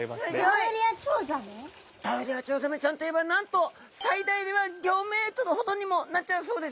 ダウリアチョウザメちゃんといえばなんと最大では５ｍほどにもなっちゃうそうですよ。